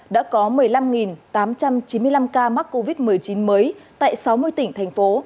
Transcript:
đã có một mươi năm tám trăm chín mươi năm ca mắc covid một mươi chín mới tại sáu mươi tỉnh thành phố